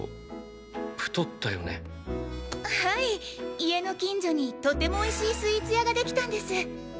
家の近所にとてもおいしいスイーツ屋ができたんです！